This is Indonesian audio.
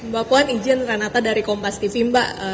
mbak puan izin ranata dari kompas tv mbak